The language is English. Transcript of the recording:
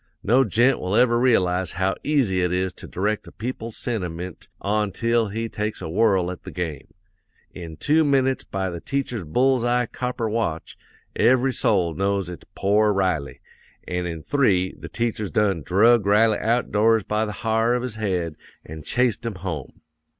No gent will ever realize how easy it is to direct a people's sentiment ontil he take a whirl at the game. In two minutes by the teacher's bull's eye copper watch, every soul knows it's pore Riley; an' in three, the teacher's done drug Riley out doors by the ha'r of his head an' chased him home.